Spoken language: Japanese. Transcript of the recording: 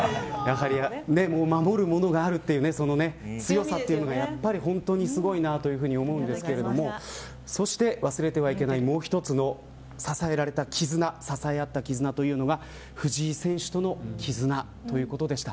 守るものがある強さというのはすごいなと思うんですけど忘れてはいけないもう一つの支えられた絆支え合った絆は藤井選手との絆ということでした。